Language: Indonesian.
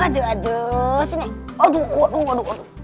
aduh aduh sini aduh aduh aduh